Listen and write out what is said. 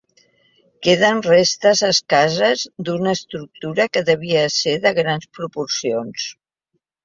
Queden restes escasses d'una estructura que devia ser de grans proporcions.